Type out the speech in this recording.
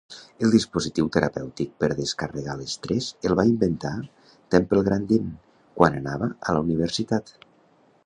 El dispositiu terapèutic per descarregar l'estrès el va inventar Temple Grandin quan anava a la universitat.